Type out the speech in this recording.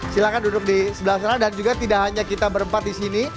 silahkan duduk di sebelah sana dan juga tidak hanya kita berempat di sini